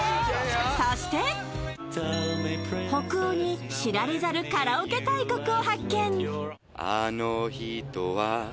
そして北欧に知られざるカラオケ大国を発見。